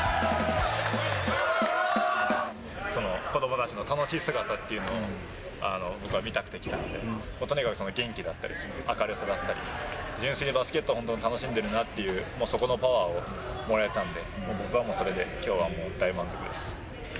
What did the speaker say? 子どもたちの楽しい姿というのを僕は見たくて来たので、とにかく元気だったり、明るさだったり、純粋にバスケットを楽しんでるなっていう、そこのパワーをもらえたんで、僕はもうそれできょうはもう大満足です。